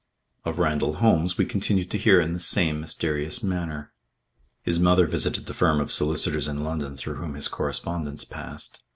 Of Randall Holmes we continued to hear in the same mysterious manner. His mother visited the firm of solicitors in London through whom his correspondence passed.